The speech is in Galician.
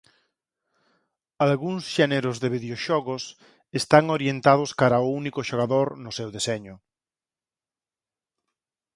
Algúns xéneros de videoxogos están orientados cara o único xogador no seu deseño.